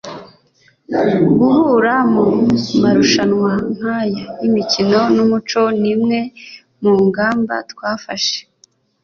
"Guhura mu marushanwa nk’aya y’imikino n’umuco n’imwe mu ngamba twafashe